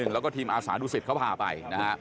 แล้วก็ทีมอาสานุสิทธิ์เขาพาไปนะครับ